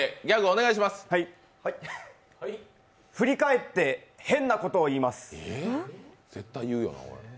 振り返って変なことを言います。